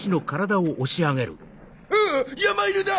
ああっ山犬だ！